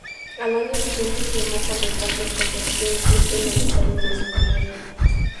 Al año siguiente firmó por Deportes Concepción, club en donde terminó su carrera.